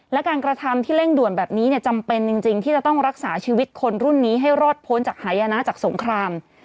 และการกระทำที่เร่งด่วนแบบนี้จำเป็นจริงที่จะต้องรักษาชีวิตคนรุ่นนี้ให้รอดพ้นจากหายนะจากสงคราม